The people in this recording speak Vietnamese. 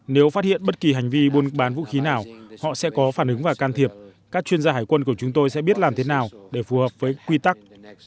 nếu phát hiện bất kỳ hành vi buôn bán vũ khí nào họ sẽ có phản ứng và can thiệp các chuyên gia hải quân của chúng tôi sẽ biết làm thế nào để phù hợp với quy tắc